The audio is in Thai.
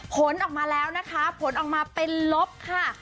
ผลออกมาแล้วนะคะผลออกมาเป็นลบค่ะ